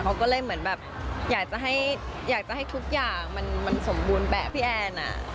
เขาก็เลยเหมือนแบบอยากจะให้ทุกอย่างมันสมบูรณ์แบบพี่แอน